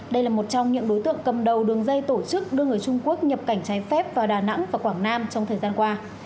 đây là một trong những đối tượng cầm đầu đường dây tổ chức đưa người trung quốc nhập cảnh trái phép vào đà nẵng và quảng nam trong thời gian qua